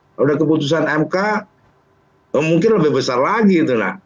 kalau sudah keputusan mk mungkin lebih besar lagi itu nak